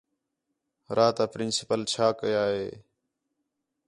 راتا پرنسپل چھا کَیا ہے